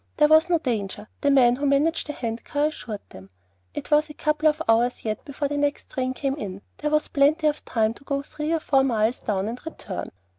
There was no danger, the men who managed the hand car assured them; it was a couple of hours yet before the next train came in; there was plenty of time to go three or four miles down and return.